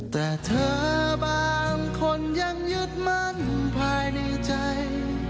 แต่เธอบางคนยังยึดมั่นภายในใจ